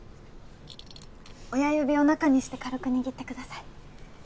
親指を中にして軽く握ってください